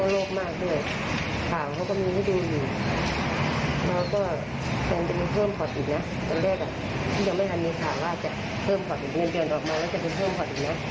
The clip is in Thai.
แล้วก็เป็นเป็นเพิ่มขอตอบอีกนะอันแรกอ่ะที่จะไม่มีค่าว่าจะเพิ่มขอตอบอีกเงินเดือนออกมาแล้วจะเป็นเพิ่มขอตอบอีกนะ